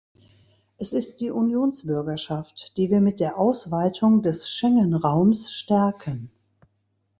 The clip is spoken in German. Es ist die Unionsbürgerschaft, die wir mit der Ausweitung des Schengen-Raums stärken.